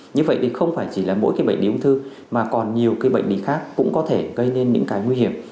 như vậy thì không chỉ là mỗi bệnh lý ung thư mà còn nhiều bệnh lý khác cũng có thể gây nên những nguy hiểm